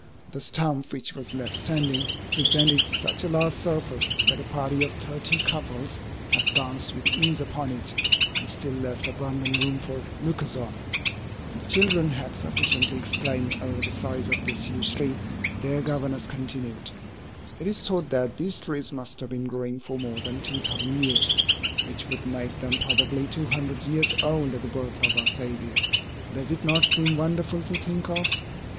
The stump, which was left standing, presented such a large surface that a party of thirty couples have danced with ease upon it and still left abundant room for lookers on." Sequoia gigantea. When the children had sufficiently exclaimed over the size of this huge tree, their governess continued: "It is thought that these trees must have been growing for more than two thousand years, which would make them probably two hundred years old at the birth of our Saviour. Does it not seem wonderful to think of?